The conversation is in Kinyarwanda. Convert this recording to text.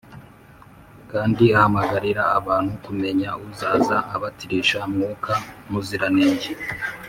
kandi ahamagarira abantu kumenya uzaza abatirisha Mwuka Muziranenge